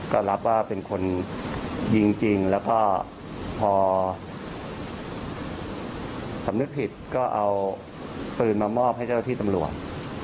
ก็รับว่าเป็นคนยิงจริงแล้วก็พอสำนึกผิดก็เอาปืนมามอบให้เจ้าที่ตำรวจ